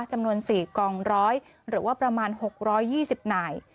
จำนวนสี่กองร้อยหรือว่าประมาณหกร้อยยี่สิบไหน